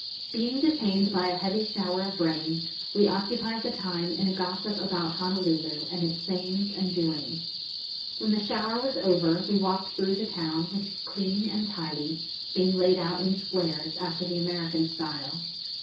Being detained by a heavy shower of rain, we occupied the time in a gossip about Honolulu and its sayings and doings. When the shower was over, we walked through the town, which is clean and tidy, being laid out in squares, after the American style.